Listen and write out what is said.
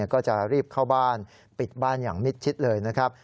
ก็จะรีบเข้าบ้านปิดบ้านอย่างมิดชิดเลยนะครับ